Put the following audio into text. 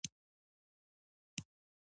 خوبونه د ژوند د تحقق عناصر دي.